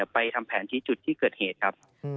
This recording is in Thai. ไปทำแผนที่จุดที่เกิดเหตุครับ